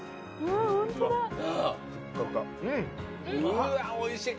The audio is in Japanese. うわおいしい。